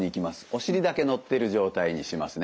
お尻だけのってる状態にしますね。